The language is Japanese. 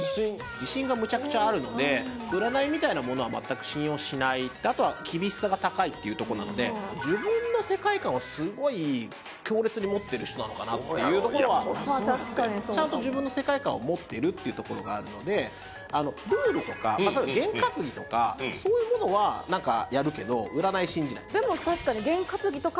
自信がむちゃくちゃあるので占いみたいなものは全く信用しないあとは厳しさが高いというとこなので自分の世界観をすごい強烈に持ってる人なのかなっていうところはまあ確かにそうかもちゃんと自分の世界観を持ってるっていうところがあるのでルールとかゲン担ぎとかそういうものはやるけど占い信じないでも確かにある？